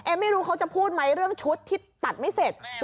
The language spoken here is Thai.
ไม่รู้เขาจะพูดไหมเรื่องชุดที่ตัดไม่เสร็จ